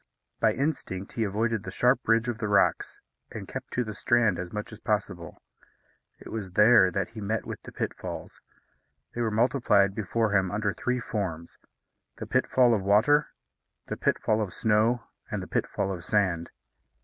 By instinct he avoided the sharp ridge of the rocks, and kept to the strand as much as possible. It was there that he met with the pitfalls. They were multiplied before him under three forms: the pitfall of water, the pitfall of snow, and the pitfall of sand.